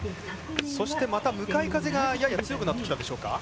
そしてまた、向かい風がやや強くなってきたでしょうか。